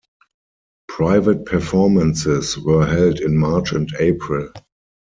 Private performances were held in March and April.